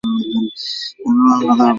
এখন পালাবে কোথায়?